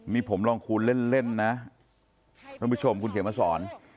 นี่ผมลองคลุนเล่นนะนำบคุณเขงมาสอน